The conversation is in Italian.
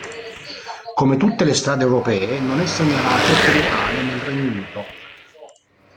Come tutte le strade europee, non è segnalato come tale nel Regno Unito.